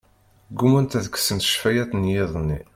Ggumant ad kksent ccfayat n yiḍ-nni.